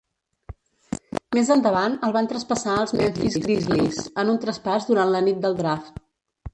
Més endavant el van traspassar als Memphis Grizzlies en un traspàs durant la nit del draft.